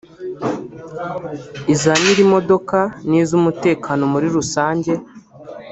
iza nyir’imodoka n’iz’umutekano muri rusange